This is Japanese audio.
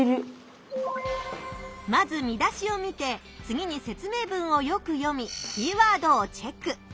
まず見出しを見て次に説明文をよく読みキーワードをチェック。